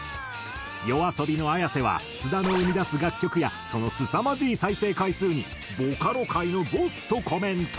ＹＯＡＳＯＢＩのＡｙａｓｅは須田の生み出す楽曲やそのすさまじい再生回数に「ボカロ界のボス！！」とコメント。